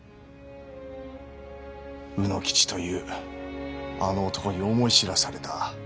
卯之吉というあの男に思い知らされた。